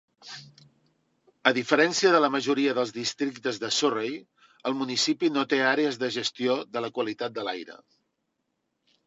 A diferència de la majoria dels districtes de Surrey, el municipi no té àrees de gestió de la qualitat de l'aire.